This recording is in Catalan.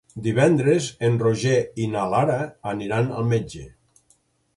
Divendres en Roger i na Lara aniran al metge.